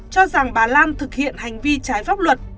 cho rằng bà lan thực hiện hành vi trái pháp luật